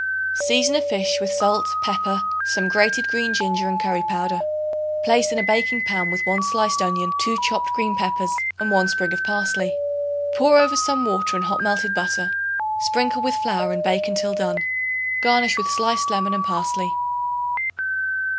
Season a fish with salt, pepper, some grated green ginger and curry powder. Place in a baking pan with 1 sliced onion, 2 chopped green peppers and 1 sprig of parsley. Pour over some water and hot melted butter; sprinkle with flour and bake until done. Garnish with sliced lemon and parsley.